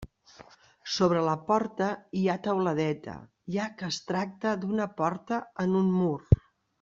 Sobre la porta hi ha teuladeta, ja que es tracta d'una porta en un mur.